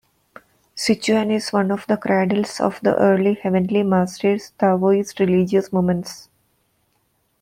Sichuan is one of the cradles of the early Heavenly Masters' Taoist religious movements.